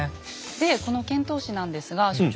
でこの遣唐使なんですが所長。